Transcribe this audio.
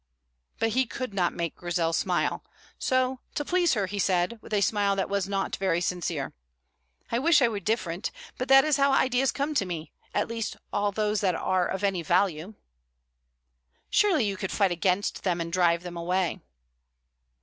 But he could not make Grizel smile; so, to please her, he said, with a smile that was not very sincere: "I wish I were different, but that is how ideas come to me at least, all those that are of any value." "Surely you could fight against them and drive them away?"